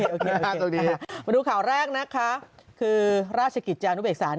โอเคมาดูข่าวแรกคือราชกิจจานุเบกษา